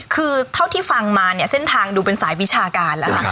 คือเท่าที่ฟังมาเนี่ยเส้นทางดูเป็นสายวิชาการแล้วค่ะ